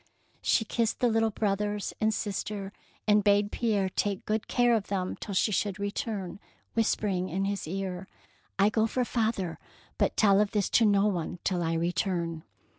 ^' She kissed the little brothers and sister, and bade Pierre take good care of them till she should return, whis pering in his ear, —" I go for father, but tell of this to no one till I return.